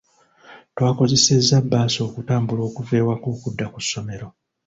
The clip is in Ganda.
Twakozesezza bbaasi okutambula okuva ewaka okudda ku ssomero .